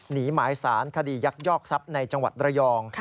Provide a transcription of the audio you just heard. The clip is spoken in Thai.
หนีหมายสารคดียักยอกทรัพย์ในจังหวัดระยอง